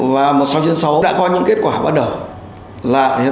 và một sau chân sau đã có những kết quả bắt đầu